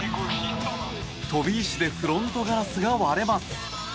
飛び石でフロントガラスが割れます。